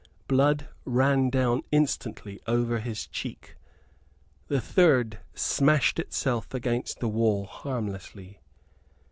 Blood ran down instantly over his cheek. The third smashed itself against the wall harmlessly.